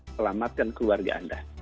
selamatkan keluarga anda